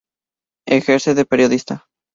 Ejerce de periodista.